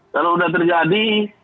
kalau sudah terjadi